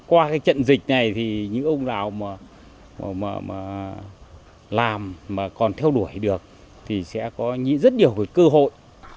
qua trận dịch này những ông nào làm mà còn theo đuổi được thì sẽ có rất nhiều cơ hội